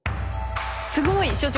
すごい所長。